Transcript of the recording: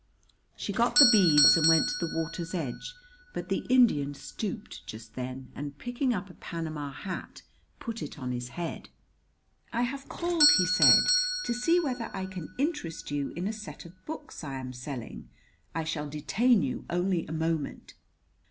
She got the beads and went to the water's edge; but the Indian stooped just then and, picking up a Panama hat, put it on his head. "I have called," he said, "to see whether I can interest you in a set of books I am selling. I shall detain you only a moment.